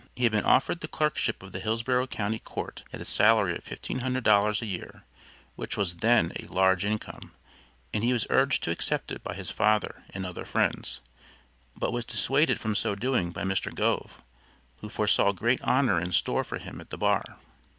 He had been offered the clerkship of the Hillsboro County Court at a salary of $1,500 a year, which was then a large income, and he was urged to accept it by his father and other friends, but was dissuaded from so doing by Mr. Gove, who foresaw great honor in store for him at the bar.